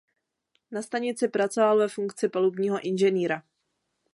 Na stanici pracoval ve funkci palubního inženýra.